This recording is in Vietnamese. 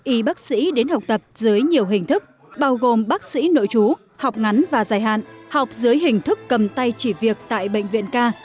y bác sĩ đến học tập dưới nhiều hình thức bao gồm bác sĩ nội chú học ngắn và dài hạn học dưới hình thức cầm tay chỉ việc tại bệnh viện ca